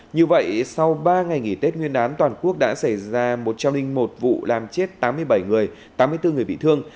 như vậy sau ba ngày nghỉ tết nguyên đán toàn quốc đã xảy ra một trăm linh một vụ làm chết tám mươi bảy người tám mươi bốn người bị thương